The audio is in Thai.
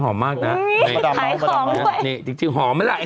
ก็ไม่รู้หนุ่ม